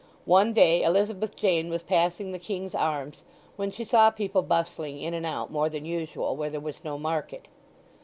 One day Elizabeth Jane was passing the King's Arms, when she saw people bustling in and out more than usual where there was no market.